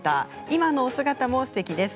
今のお姿もすてきです。